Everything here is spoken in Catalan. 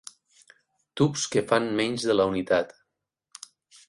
Tubs que fan menys de la unitat.